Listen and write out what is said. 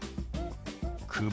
「久保」。